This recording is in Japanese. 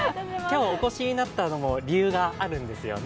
今日お越しになったのも理由があるんですよね？